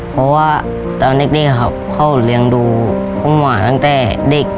เพราะว่าตอนเด็กเขาเลี้ยงดูพ่อหมอตั้งแต่เด็ก